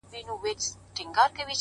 • تل یې غوښي وي په خولو کي د لېوانو ,